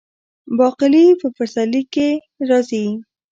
باقلي په پسرلي کې راځي.